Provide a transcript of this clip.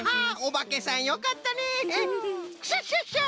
クシャシャシャ！